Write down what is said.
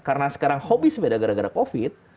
karena sekarang hobi sepeda gara gara covid